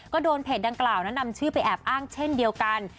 ก็โดนเพจดังกล่าวนั้นนำชื่อไปแอบอ้างเช่นเดียวกัน